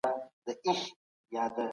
پرون دوه دښمنان له يو بل سره وروڼه سول.